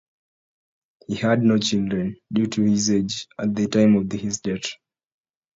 He had no children, due to his youth at the time of his death.